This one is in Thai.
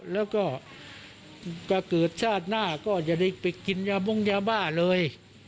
แล้วก็ถ้าเกิดชาติหน้าก็จะได้ไปกินยาบงยาบ้าเลย